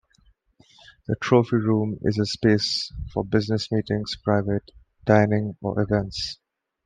The Trophy Room is a space for business meetings, private dining or events.